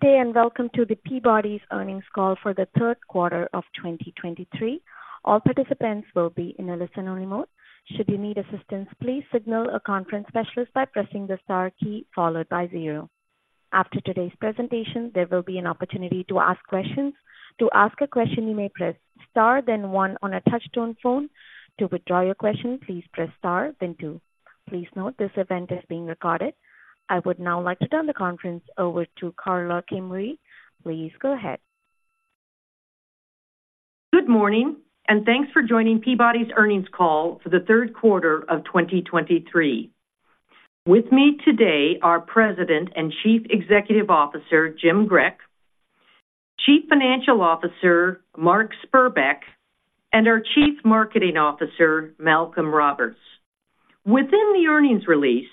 Good day, and welcome to the Peabody's Earnings Call for the Q3 of 2023. All participants will be in a listen-only mode. Should you need assistance, please signal a conference specialist by pressing the star key followed by zero. After today's presentation, there will be an opportunity to ask questions. To ask a question, you may press star then one on a touchtone phone. To withdraw your question, please press star then two. Please note, this event is being recorded. I would now like to turn the conference over to Karla Kimrey. Please go ahead. Good morning, and thanks for joining Peabody's Earnings Call for the Q3 of 2023. With me today are President and Chief Executive Officer, Jim Grech; Chief Financial Officer, Mark Spurbeck; and our Chief Marketing Officer, Malcolm Roberts. Within the earnings release,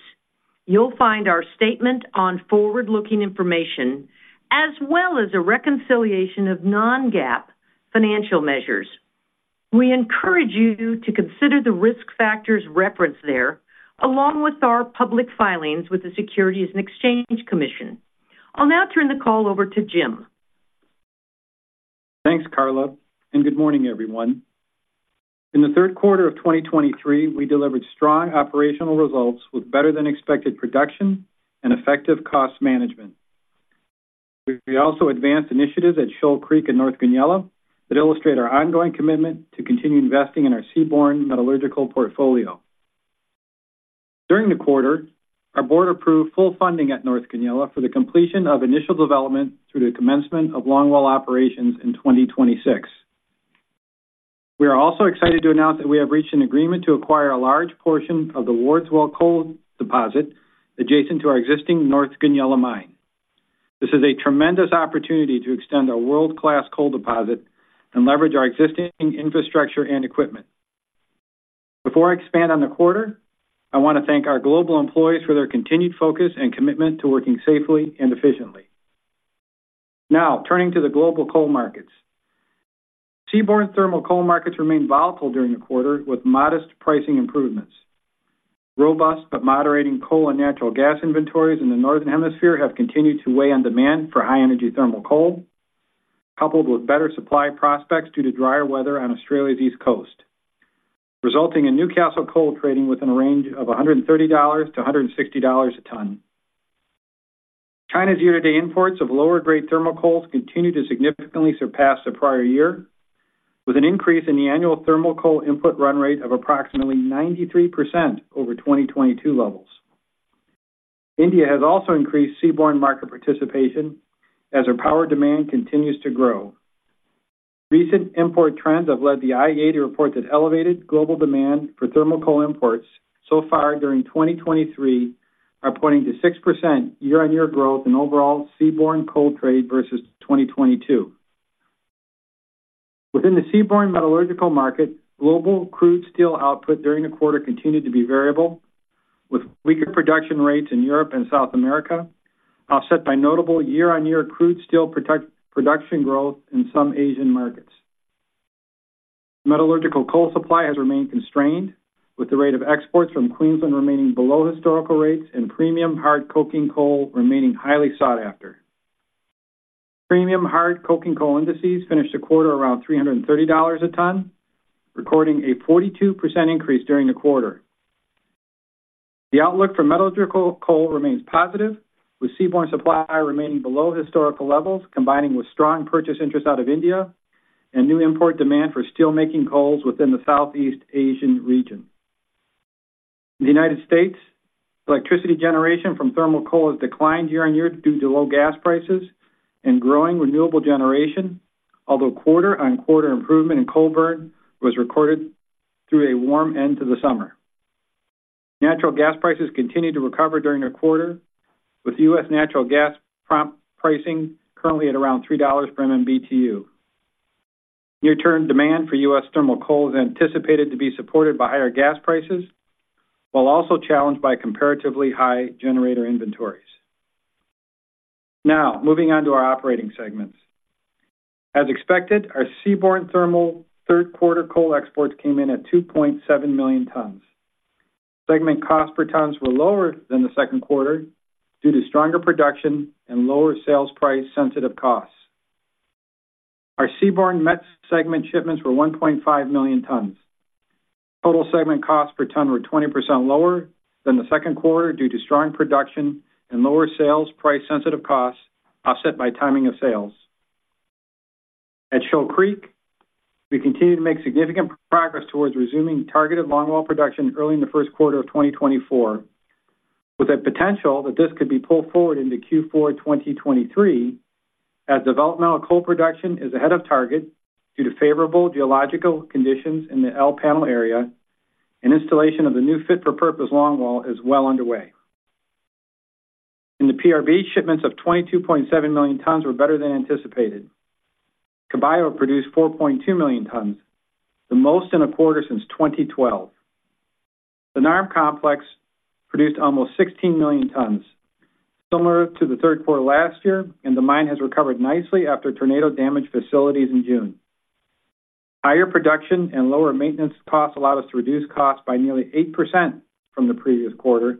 you'll find our statement on forward-looking information, as well as a reconciliation of non-GAAP financial measures. We encourage you to consider the risk factors referenced there, along with our public filings with the Securities and Exchange Commission. I'll now turn the call over to Jim. Thanks, Karla, and good morning, everyone. In the Q3 of 2023, we delivered strong operational results with better-than-expected production and effective cost management. We also advanced initiatives at Shoal Creek and North Goonyella that illustrate our ongoing commitment to continue investing in our seaborne metallurgical portfolio. During the quarter, our board approved full funding at North Goonyella for the completion of initial development through the commencement of longwall operations in 2026. We are also excited to announce that we have reached an agreement to acquire a large portion of the Wards Well coal deposit adjacent to our existing North Goonyella mine. This is a tremendous opportunity to extend our world-class coal deposit and leverage our existing infrastructure and equipment. Before I expand on the quarter, I want to thank our global employees for their continued focus and commitment to working safely and efficiently. Now, turning to the global coal markets. Seaborne thermal coal markets remained volatile during the quarter, with modest pricing improvements. Robust but moderating coal and natural gas inventories in the Northern Hemisphere have continued to weigh on demand for high-energy thermal coal, coupled with better supply prospects due to drier weather on Australia's East Coast, resulting in Newcastle coal trading within a range of $130-$160 a ton. China's year-to-date imports of lower-grade thermal coals continued to significantly surpass the prior year, with an increase in the annual thermal coal input run rate of approximately 93% over 2022 levels. India has also increased seaborne market participation as their power demand continues to grow. Recent import trends have led the IEA to report that elevated global demand for thermal coal imports so far during 2023 are pointing to 6% year-on-year growth in overall seaborne coal trade versus 2022. Within the seaborne metallurgical market, global crude steel output during the quarter continued to be variable, with weaker production rates in Europe and South America, offset by notable year-on-year crude steel production growth in some Asian markets. Metallurgical coal supply has remained constrained, with the rate of exports from Queensland remaining below historical rates and premium hard coking coal remaining highly sought after. Premium hard coking coal indices finished the quarter around $330 a ton, recording a 42% increase during the quarter. The outlook for metallurgical coal remains positive, with seaborne supply remaining below historical levels, combining with strong purchase interest out of India and new import demand for steelmaking coals within the Southeast Asian region. In the United States, electricity generation from thermal coal has declined year-on-year due to low gas prices and growing renewable generation, although quarter-on-quarter improvement in coal burn was recorded through a warm end to the summer. Natural gas prices continued to recover during the quarter, with U.S. natural gas prompt pricing currently at around $3 per MMBtu. Near-term demand for U.S. thermal coal is anticipated to be supported by higher gas prices, while also challenged by comparatively high generator inventories. Now, moving on to our operating segments. As expected, our seaborne thermal Q3 coal exports came in at 2.7 million tons. Segment costs per ton were lower than the Q2 due to stronger production and lower sales price-sensitive costs. Our seaborne mets segment shipments were 1.5 million tons. Total segment costs per ton were 20% lower than the Q2 due to strong production and lower sales price-sensitive costs, offset by timing of sales. At Shoal Creek, we continue to make significant progress towards resuming targeted longwall production early in the Q1 of 2024, with a potential that this could be pulled forward into Q4 2023, as developmental coal production is ahead of target due to favorable geological conditions in the L Panel area, and installation of the new fit-for-purpose longwall is well underway. In the PRB, shipments of 22.7 million tons were better than anticipated. Caballo produced 4.2 million tons, the most in a quarter since 2012. The NARM complex produced almost 16 million tons, similar to the Q3 last year, and the mine has recovered nicely after tornado-damaged facilities in June... Higher production and lower maintenance costs allowed us to reduce costs by nearly 8% from the previous quarter,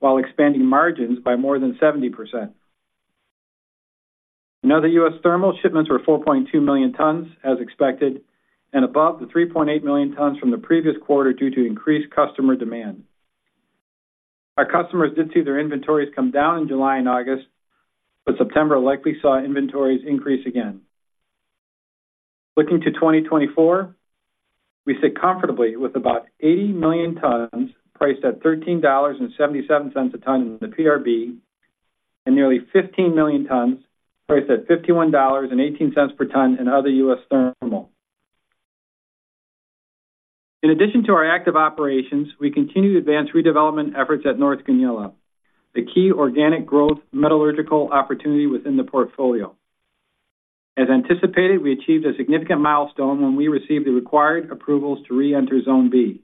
while expanding margins by more than 70%. In other U.S. thermal, shipments were 4.2 million tons, as expected, and above the 3.8 million tons from the previous quarter due to increased customer demand. Our customers did see their inventories come down in July and August, but September likely saw inventories increase again. Looking to 2024, we sit comfortably with about 80 million tons priced at $13.77 a ton in the PRB, and nearly 15 million tons priced at $51.18 per ton in other U.S. thermal. In addition to our active operations, we continue to advance redevelopment efforts at North Goonyella, the key organic growth metallurgical opportunity within the portfolio. As anticipated, we achieved a significant milestone when we received the required approvals to reenter Zone B.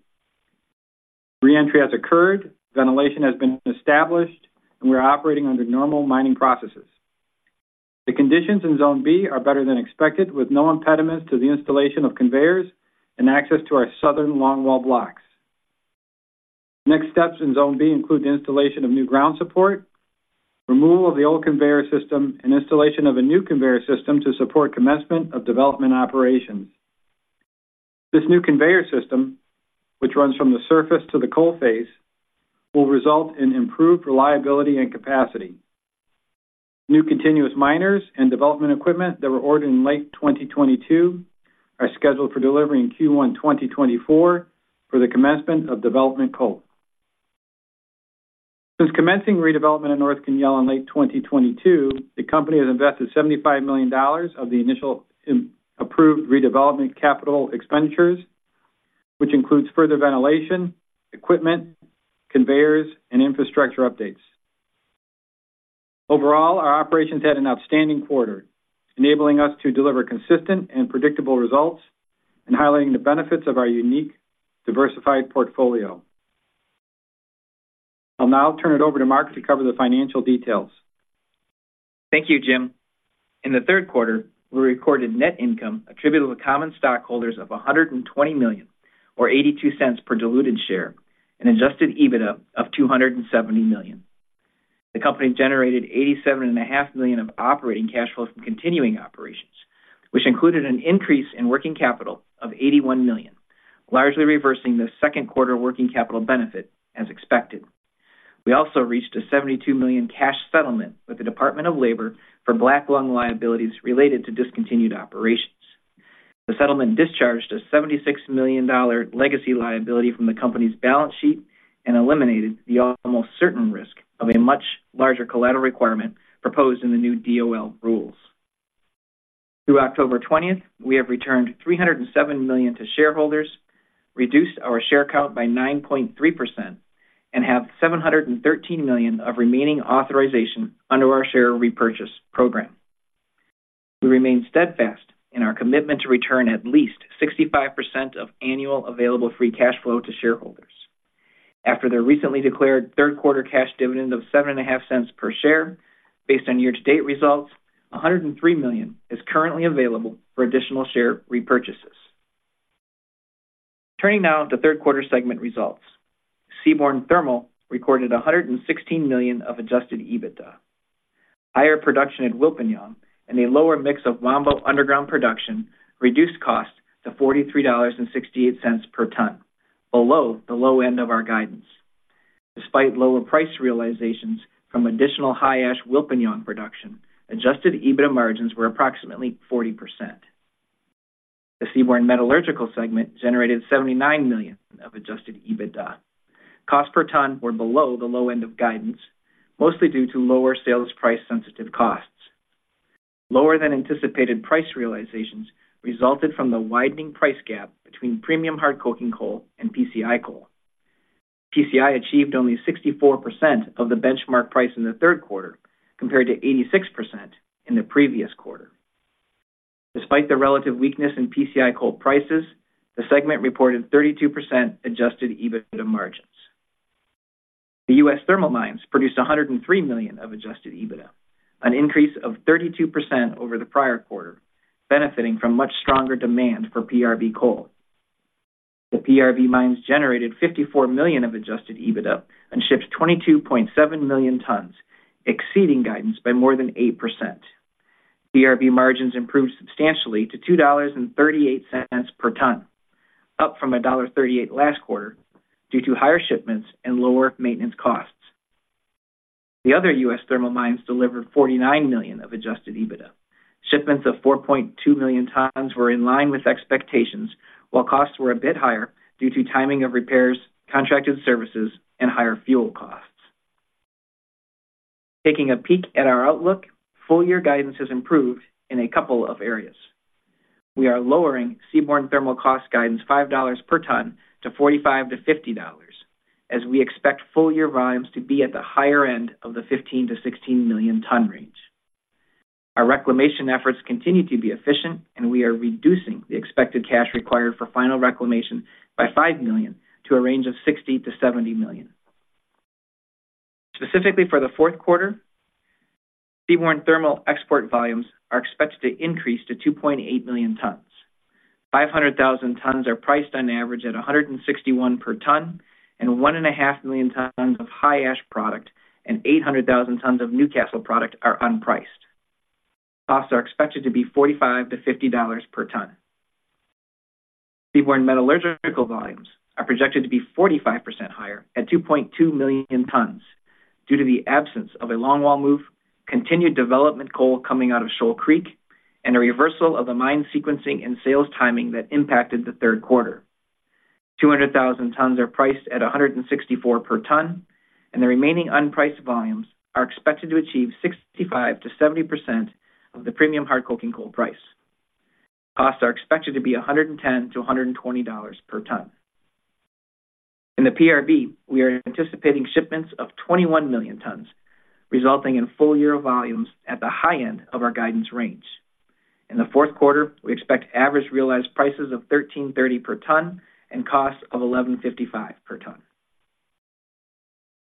Reentry has occurred, ventilation has been established, and we are operating under normal mining processes. The conditions in Zone B are better than expected, with no impediments to the installation of conveyors and access to our southern longwall blocks. Next steps in Zone B include the installation of new ground support, removal of the old conveyor system, and installation of a new conveyor system to support commencement of development operations. This new conveyor system, which runs from the surface to the coal face, will result in improved reliability and capacity. New continuous miners and development equipment that were ordered in late 2022 are scheduled for delivery in Q1 2024 for the commencement of development coal. Since commencing redevelopment in North Goonyella in late 2022, the company has invested $75 million of the initial initially approved redevelopment capital expenditures, which includes further ventilation, equipment, conveyors, and infrastructure updates. Overall, our operations had an outstanding quarter, enabling us to deliver consistent and predictable results and highlighting the benefits of our unique, diversified portfolio. I'll now turn it over to Mark to cover the financial details. Thank you, Jim. In the Q3, we recorded net income attributable to common stockholders of $120 million, or $0.82 per diluted share, and Adjusted EBITDA of $270 million. The company generated $87.5 million of operating cash flows from continuing operations, which included an increase in working capital of $81 million, largely reversing the Q2 working capital benefit as expected. We also reached a $72 million cash settlement with the Department of Labor for black lung liabilities related to discontinued operations. The settlement discharged a $76 million legacy liability from the company's balance sheet and eliminated the almost certain risk of a much larger collateral requirement proposed in the new DOL rules. Through October 20th, we have returned $307 million to shareholders, reduced our share count by 9.3%, and have $713 million of remaining authorization under our share repurchase program. We remain steadfast in our commitment to return at least 65% of annual available free cash flow to shareholders. After the recently declared Q3 cash dividend of $0.075 per share, based on year-to-date results, $103 million is currently available for additional share repurchases. Turning now to Q3 segment results. Seaborne Thermal recorded $116 million of Adjusted EBITDA. Higher production at Wilpinjong and a lower mix of Wambo underground production reduced costs to $43.68 per ton, below the low end of our guidance. Despite lower price realizations from additional high-ash Wilpinjong production, Adjusted EBITDA margins were approximately 40%. The Seaborne Metallurgical segment generated $79 million of Adjusted EBITDA. Cost per ton were below the low end of guidance, mostly due to lower sales price-sensitive costs. Lower-than-anticipated price realizations resulted from the widening price gap between premium hard coking coal and PCI coal. PCI achieved only 64% of the benchmark price in the Q3, compared to 86% in the previous quarter. Despite the relative weakness in PCI coal prices, the segment reported 32% Adjusted EBITDA margins. The U.S. thermal mines produced $103 million of Adjusted EBITDA, an increase of 32% over the prior quarter, benefiting from much stronger demand for PRB coal. The PRB mines generated $54 million of Adjusted EBITDA and shipped 22.7 million tons, exceeding guidance by more than 8%. PRB margins improved substantially to $2.38 per ton, up from $1.38 last quarter, due to higher shipments and lower maintenance costs. The other U.S. thermal mines delivered $49 million of adjusted EBITDA. Shipments of 4.2 million tons were in line with expectations, while costs were a bit higher due to timing of repairs, contracted services, and higher fuel costs. Taking a peek at our outlook, full-year guidance has improved in a couple of areas. We are lowering Seaborne Thermal cost guidance $5 per ton to $45-$50, as we expect full-year volumes to be at the higher end of the 15-16 million ton range. Our reclamation efforts continue to be efficient, and we are reducing the expected cash required for final reclamation by $5 million, to a range of $60-$70 million. Specifically for the Q4, Seaborne Thermal export volumes are expected to increase to 2.8 million tons. 500,000 tons are priced on average at $161 per ton, and 1.5 million tons of high ash product and 800,000 tons of Newcastle product are unpriced. Costs are expected to be $45-$50 per ton. Seaborne Metallurgical volumes are projected to be 45% higher at 2.2 million tons, due to the absence of a longwall move, continued development coal coming out of Shoal Creek, and a reversal of the mine sequencing and sales timing that impacted the Q3. 200,000 tons are priced at $164 per ton, and the remaining unpriced volumes are expected to achieve 65%-70% of the premium hard coking coal price. Costs are expected to be $110-$120 per ton. In the PRB, we are anticipating shipments of 21 million tons, resulting in full-year volumes at the high end of our guidance range. In the Q4, we expect average realized prices of $13.30 per ton and costs of $11.55 per ton.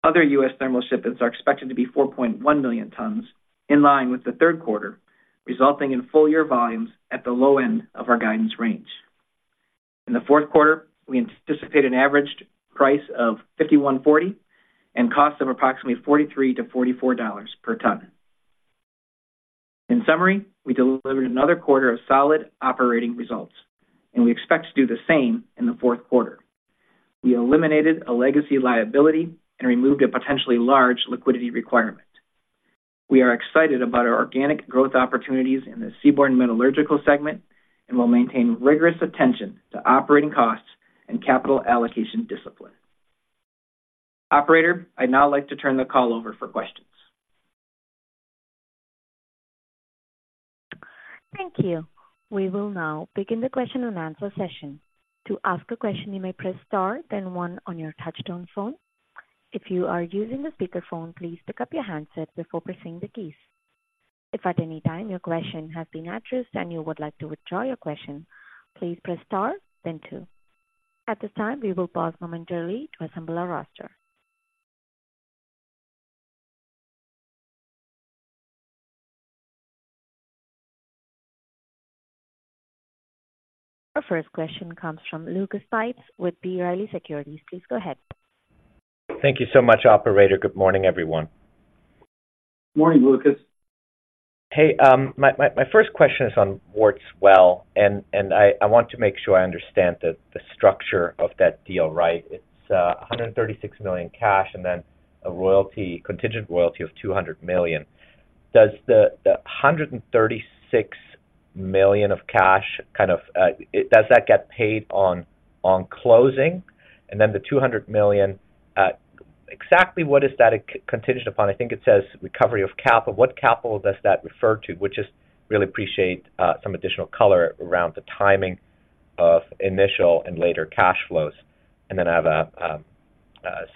Other U.S. thermal shipments are expected to be 4.1 million tons, in line with the Q3, resulting in full-year volumes at the low end of our guidance range. In the Q4, we anticipate an averaged price of $51.40 and costs of approximately $43-$44 per ton. In summary, we delivered another quarter of solid operating results, and we expect to do the same in the Q4. We eliminated a legacy liability and removed a potentially large liquidity requirement. We are excited about our organic growth opportunities in the Seaborne Metallurgical segment and will maintain rigorous attention to operating costs and capital allocation discipline. Operator, I'd now like to turn the call over for questions. Thank you. We will now begin the question-and-answer session. To ask a question, you may press star, then one on your touchtone phone. If you are using a speakerphone, please pick up your handset before pressing the keys. If at any time your question has been addressed and you would like to withdraw your question, please press star, then two. At this time, we will pause momentarily to assemble our roster. Our first question comes from Lucas Pipes with B. Riley Securities. Please go ahead. Thank you so much, operator. Good morning, everyone. Morning, Lucas. Hey, my first question is on Wards Well, and I want to make sure I understand the structure of that deal, right? It's $136 million cash and then a royalty, contingent royalty of $200 million. Does the $136 million of cash, kind of, does that get paid on closing? Then the $200 million, exactly what is that contingent upon? I think it says recovery of capital. What capital does that refer to? I really appreciate some additional color around the timing of initial and later cash flows. Then I have a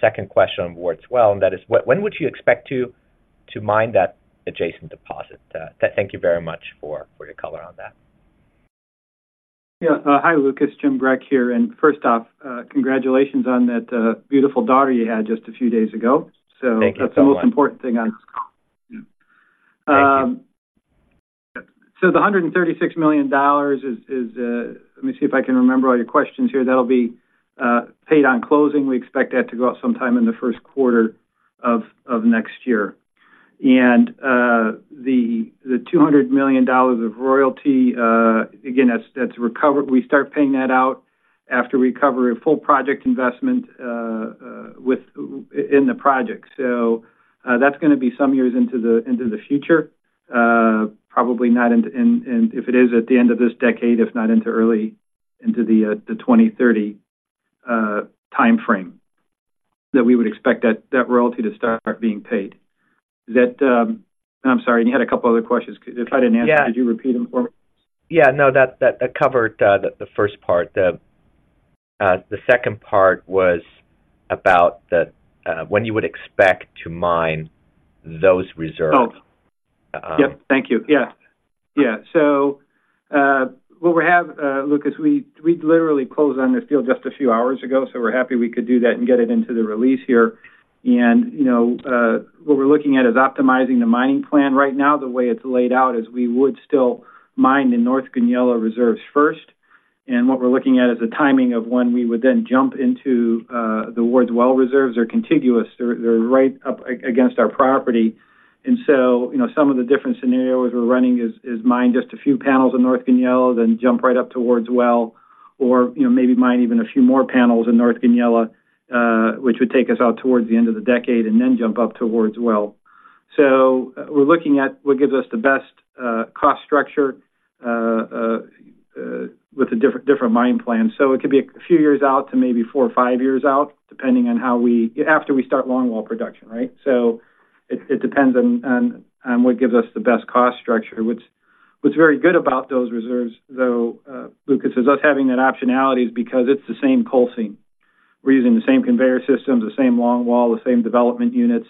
second question on Wards Well, and that is: when would you expect to mine that adjacent deposit? Thank you very much for your color on that. Yeah. Hi, Lucas, Jim Grech here. First off, congratulations on that beautiful daughter you had just a few days ago. Thank you so much. That's the most important thing on. The $136 million is, let me see if I can remember all your questions here. That'll be paid on closing. We expect that to go out sometime in the Q1 of next year. The $200 million of royalty, again, that's recovered. We start paying that out after we recover a full project investment within the project, so that's gonna be some years into the future, probably not into, In, and if it is at the end of this decade, if not into early into the 2030 timeframe, that we would expect that royalty to start being paid. Is that. I'm sorry, and you had a couple other questions. If I didn't answer, could you repeat them for me? Yeah. No, that, that covered the first part. The, the second part was about the, when you would expect to mine those reserves. Yep. Thank you. Yeah. Yeah. So, what we have, Lucas, we literally closed on this deal just a few hours ago, so we're happy we could do that and get it into the release here and, you know, what we're looking at is optimizing the mining plan right now. The way it's laid out is we would still mine the North Goonyella reserves first, and what we're looking at is the timing of when we would then jump into the Wards Well reserves. They're contiguous. They're right up against our property. You know, some of the different scenarios we're running is, is mine just a few panels in North Goonyella, then jump right up to Wards Well, or, you know, maybe mine even a few more panels in North Goonyella, which would take us out towards the end of the decade, and then jump up to Wards Well. We're looking at what gives us the best cost structure with the different, different mine plans. It could be a few years out to maybe four or five years out, depending on how we—after we start longwall production, right? It depends on what gives us the best cost structure. What's very good about those reserves, though, Lucas, is us having that optionality is because it's the same coal seam. We're using the same conveyor systems, the same long wall, the same development units,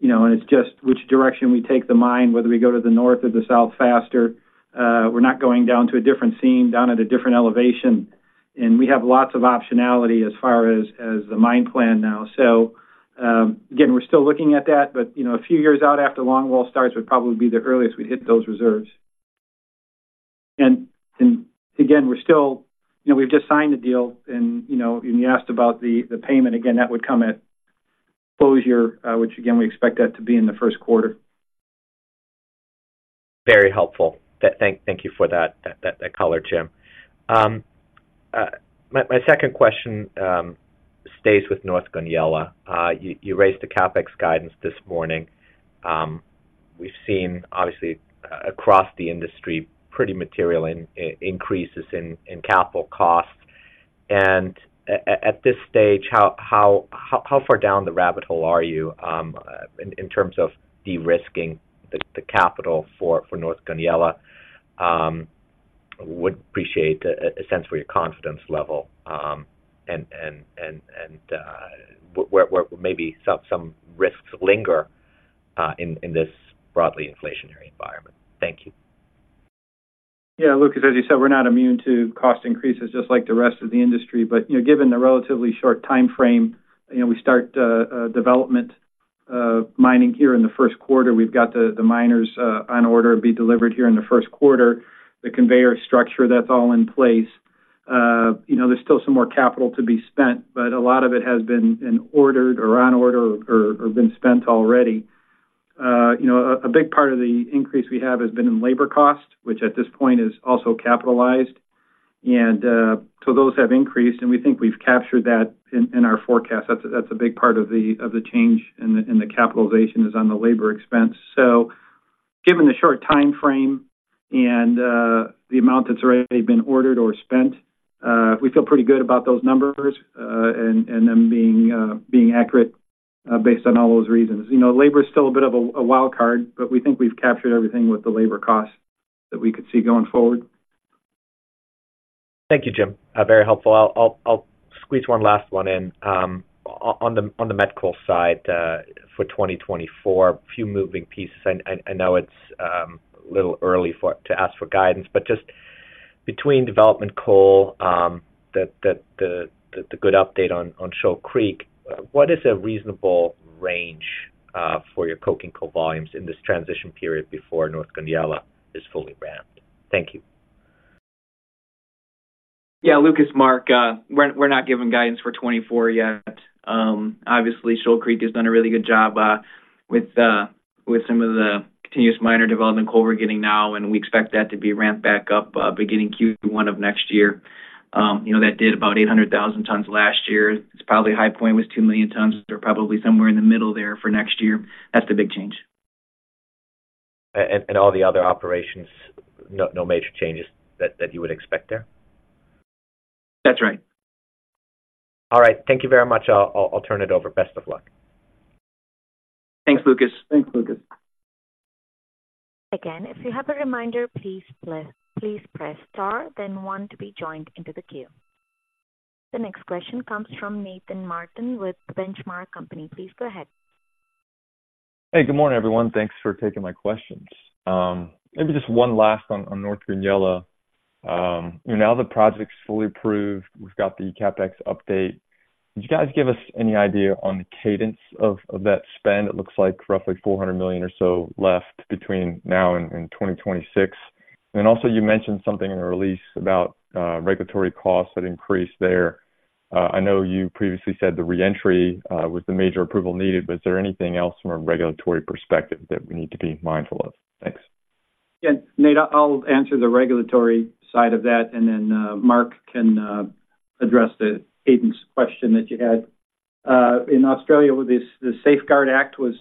you know, and it's just which direction we take the mine, whether we go to the north or the south faster. We're not going down to a different seam, down at a different elevation and we have lots of optionality as far as the mine plan now. Again, we're still looking at that, but, you know, a few years out after longwall starts would probably be the earliest we'd hit those reserves. Again, we're still—you know, we've just signed a deal and, you know, and you asked about the payment again, that would come at closure, which again, we expect that to be in the Q1. Very helpful. Thank you for that color, Jim. My second question stays with North Goonyella. You raised the CapEx guidance this morning. We've seen, obviously, across the industry, pretty material increases in capital costs. A this stage, how far down the rabbit hole are you in terms of de-risking the capital for North Goonyella? Would appreciate a sense for your confidence level, and where maybe some risks linger in this broadly inflationary environment. Thank you. Yeah, Lucas, as you said, we're not immune to cost increases just like the rest of the industry. But, you know, given the relatively short timeframe, you know, we start development mining here in the Q1. We've got the miners on order to be delivered here in the Q1. The conveyor structure, that's all in place. You know, there's still some more capital to be spent, but a lot of it has been in ordered or on order or been spent already. You know, a big part of the increase we have has been in labor cost, which at this point is also capitalized, so those have increased, and we think we've captured that in our forecast. That's a big part of the change in the capitalization is on the labor expense. Given the short timeframe and the amount that's already been ordered or spent, we feel pretty good about those numbers, and them being accurate, based on all those reasons. You know, labor is still a bit of a wild card, but we think we've captured everything with the labor costs that we could see going forward. Thank you, Jim. Very helpful. I'll squeeze one last one in. On the met coal side, for 2024, a few moving pieces, and I know it's a little early to ask for guidance, but just between development coal, the good update on Shoal Creek, what is a reasonable range for your coking coal volumes in this transition period before North Goonyella is fully ramped? Thank you. Yeah, Lucas, Mark, we're not giving guidance for 2024 yet. Obviously, Shoal Creek has done a really good job, with some of the continuous miner development coal we're getting now, and we expect that to be ramped back up beginning Q1 of next year. You know, that did about 800,000 tons last year. Its probably high point was 2 million tons. They're probably somewhere in the middle there for next year. That's the big change. All the other operations, no major changes that you would expect there? That's right. All right. Thank you very much. I'll turn it over. Best of luck. Thanks, Lucas. Thanks, Lucas. Again, if you have a reminder, please press, please press star, then one to be joined into the queue. The next question comes from Nathan Martin with Benchmark Company. Please go ahead. Hey, good morning, everyone. Thanks for taking my questions. Maybe just one last on North Goonyella. Now the project's fully approved, we've got the CapEx update. Did you guys give us any idea on the cadence of that spend? It looks like roughly $400 million or so left between now and 2026. Then also, you mentioned something in the release about regulatory costs that increased there. I know you previously said the reentry was the major approval needed, but is there anything else from a regulatory perspective that we need to be mindful of? Thanks. Yeah, Nathan, I'll answer the regulatory side of that, and then, Mark can address the cadence question that you had. In Australia, with this, the Safeguard Act was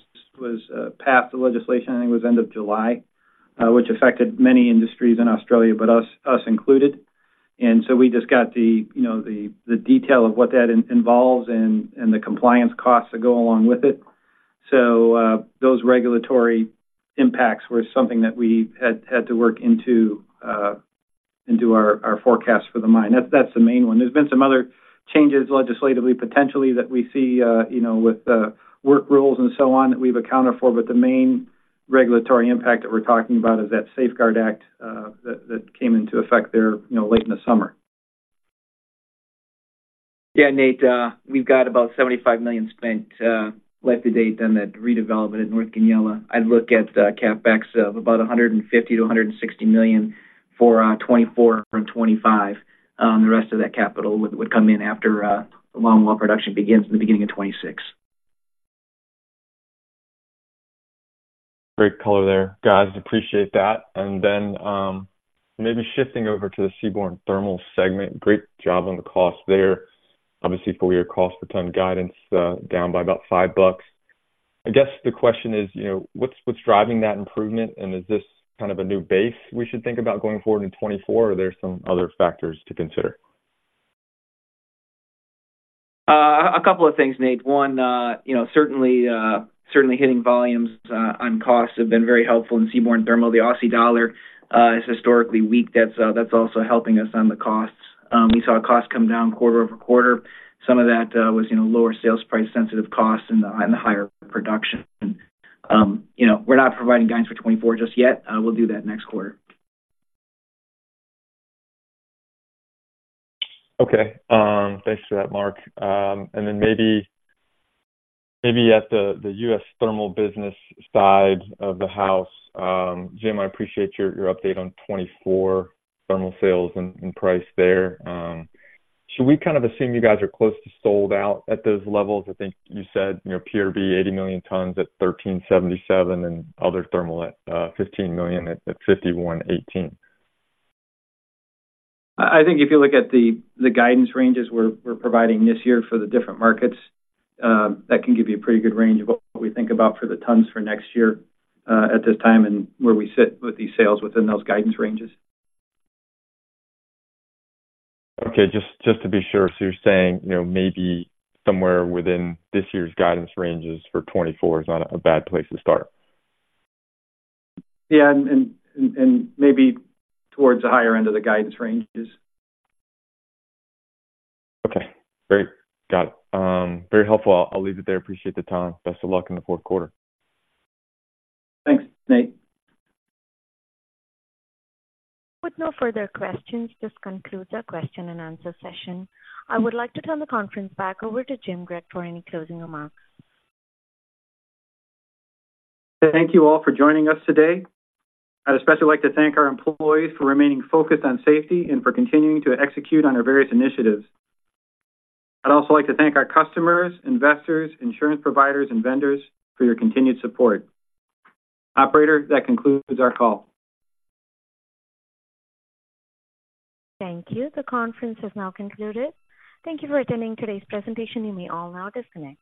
passed the legislation, I think it was end of July, which affected many industries in Australia, but us, us included and so we just got the, you know, the detail of what that involves and the compliance costs that go along with it so those regulatory impacts were something that we had to work into our forecast for the mine. That's the main one. There's been some other changes legislatively, potentially, that we see, you know, with work rules and so on, that we've accounted for, but the main regulatory impact that we're talking about is that Safeguard Act that came into effect there, you know, late in the summer. Yeah, Nate, we've got about $75 million spent, life to date on that redevelopment at North Goonyella. I'd look at CapEx of about $150 million-$160 million for 2024 and 2025. The rest of that capital would come in after the longwall production begins in the beginning of 2026. Great color there, guys. Appreciate that. And then, maybe shifting over to the Seaborne Thermal segment. Great job on the cost there. Obviously, full year cost per ton guidance, down by about $5. I guess the question is, you know, what's driving that improvement, and is this kind of a new base we should think about going forward in 2024, or are there some other factors to consider? A couple of things, Nate. One, you know, certainly, certainly hitting volumes on costs have been very helpful in Seaborne Thermal. The Aussie dollar is historically weak. That's, that's also helping us on the costs. We saw costs come down quarter-over-quarter. Some of that was, you know, lower aales price-sensitive costs and the, and the higher production. You know, we're not providing guidance for 2024 just yet. We'll do that next quarter. Okay. Thanks for that, Mark. Then maybe at the U.S. thermal business side of the house, Jim, I appreciate your update on 2024 thermal sales and price there. Should we kind of assume you guys are close to sold out at those levels? I think you said, you know, PRB, 80 million tons at $13.77, and other thermal at 15 million at $51.18. I think if you look at the guidance ranges we're providing this year for the different markets, that can give you a pretty good range of what we think about for the tons for next year, at this time and where we sit with these sales within those guidance ranges. Okay, just, just to be sure so you're saying, you know, maybe somewhere within this year's guidance ranges for 2024 is not a bad place to start? Yeah, maybe toward the higher end of the guidance ranges. Okay, great. Got it. Very helpful. I'll leave it there. Appreciate the time. Best of luck in the Q4. Thanks, Nate. With no further questions, this concludes our question and answer session. I would like to turn the conference back over to Jim Grech for any closing remarks. Thank you all for joining us today. I'd especially like to thank our employees for remaining focused on safety and for continuing to execute on our various initiatives. I'd also like to thank our customers, investors, insurance providers, and vendors for your continued support. Operator, that concludes our call. Thank you. The conference has now concluded. Thank you for attending today's presentation. You may all now disconnect.